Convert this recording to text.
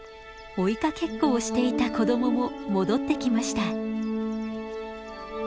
追いかけっこをしていた子供も戻ってきました。